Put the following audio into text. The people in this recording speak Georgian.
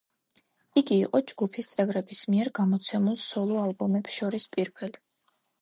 იგი იყო ჯგუფის წევრების მიერ გამოცემულ სოლო-ალბომებს შორის პირველი.